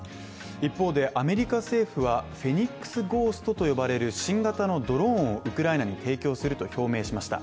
一方でアメリカ政府は、フェニックスゴーストと呼ばれる新型のドローンをウクライナに提供すると表明しました。